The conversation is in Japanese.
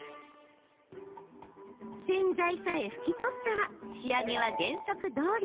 洗剤さえ拭き取ったら仕上げは原則どおり。